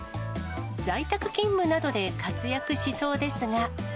在宅勤務などで活躍しそうですが。